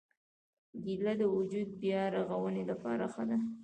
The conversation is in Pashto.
کېله د وجود د بیا رغونې لپاره ښه ده.